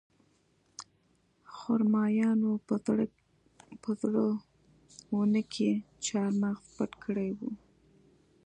خرمایانو په زړه ونه کې چارمغز پټ کړي وو